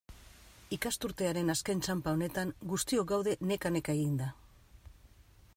Ikasturtearen azken txanpa honetan, guztiok gaude neka-neka eginda.